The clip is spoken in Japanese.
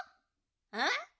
えっ？